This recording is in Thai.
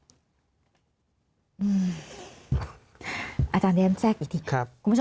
ทำไมรัฐต้องเอาเงินภาษีประชาชนไปจ้างกำลังผลมาโจมตีประชาชน